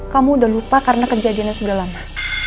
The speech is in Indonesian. kamu udah lupa karena kejadiannya sudah lama